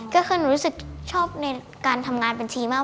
ก็คือหนูรู้สึกชอบในการทำงานเป็นทีมค่ะ